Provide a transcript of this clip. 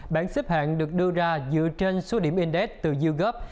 bản xếp hạng được đưa ra dựa trên số điểm index từ yougov